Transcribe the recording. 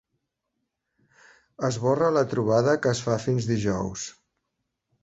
Esborra la trobada que es fa fins dijous.